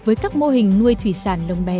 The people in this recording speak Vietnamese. với các mô hình nuôi thủy sản lồng bè